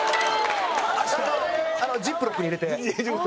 ジップロックに入れて。